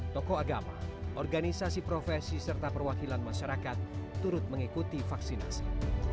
tokoh agama organisasi profesi serta perwakilan masyarakat turut mengikuti vaksinasi